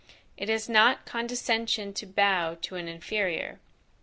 It is not condescension to bow to an inferior.